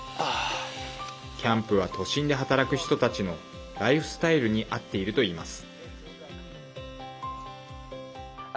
キャンプは、都心で働く人たちのライフスタイルに合っているといいます。